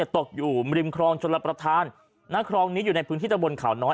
ตกอยู่ริมครองชนรับประทานณครองนี้อยู่ในพื้นที่ตะบนเขาน้อย